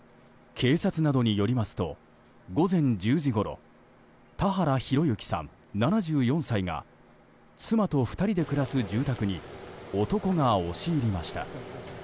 警察などによりますと午前１０時ごろ田原広行さん、７４歳が妻と２人で暮らす住宅に男が押し入りました。